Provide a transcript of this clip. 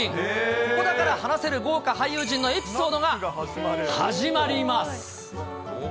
ここだから話せる豪華俳優陣のエピソードが始まります。